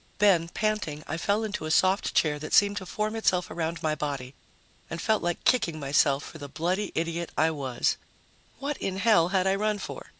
Then, panting, I fell into a soft chair that seemed to form itself around my body, and felt like kicking myself for the bloody idiot I was. What in hell had I run for?